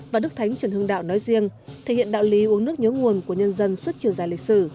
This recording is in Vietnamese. và đức thánh trần hưng đạo nói riêng thể hiện đạo lý uống nước nhớ nguồn của nhân dân suốt chiều dài lịch sử